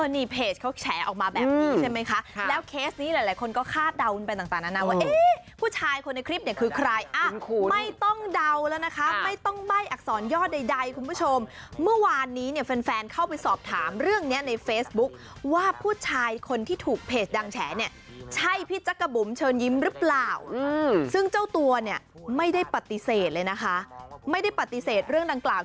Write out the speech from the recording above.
นี่เพจเขาแฉอออกมาแบบนี้ใช่ไหมคะแล้วเคสนี้หลายหลายคนก็คาดเดาไปต่างต่างนานานว่าเอ๊ะผู้ชายคนในคลิปเนี้ยคือใครอ่ะคุณคุณไม่ต้องเดาแล้วนะคะไม่ต้องใบ้อักษรยอดใดใดคุณผู้ชมเมื่อวานนี้เนี้ยแฟนแฟนเข้าไปสอบถามเรื่องเนี้ยในเฟซบุ๊คว่าผู้ชายคนที่ถูกเพจดังแฉเนี้ยใช่พี่จักกะบุ๋มเชิญยิ้มรึเป